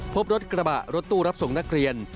พบรถกระบะรถตู้รับส่งนักเรียน